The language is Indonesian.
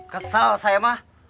kesal saya mah